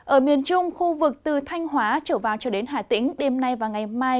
ở miền trung khu vực từ thanh hóa trở vào cho đến hà tĩnh đêm nay và ngày mai